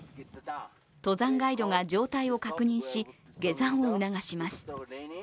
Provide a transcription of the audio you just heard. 登山ガイドが状態を確認し下山を促します。